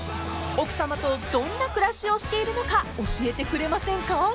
［奥さまとどんな暮らしをしているのか教えてくれませんか？］